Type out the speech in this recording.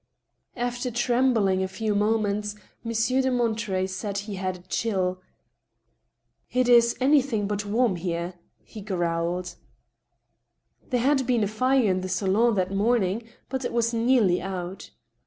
After trembling a few moments. Monsieur de Monterey said he had a chill. •* It is anything but warm here," he gjrowled. There had been a fire in the salon that morning, but it was nearly out.